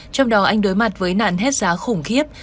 trong đó anh đối mặt với nạn hết giá khủng khiếp